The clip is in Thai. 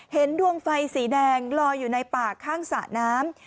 ดวงไฟสีแดงลอยอยู่ในป่าข้างสระน้ำ